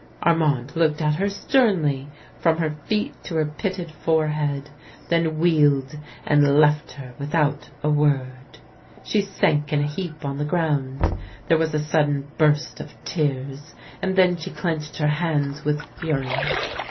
Armand looked at her sternly, from her feet to her pit ted forehead, then wheeled, and left her without a word. She sank in a heap on the ground. There was a sudden burst of tears, and then she clenched her hands v/ith fury.